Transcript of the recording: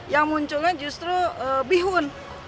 yang munculnya justru bihun